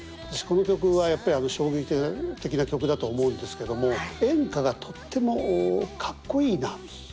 私この曲はやっぱり衝撃的な曲だと思うんですけども演歌がとってもかっこいいな。